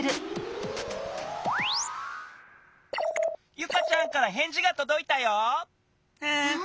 ユカちゃんからへんじがとどいたよ。わ！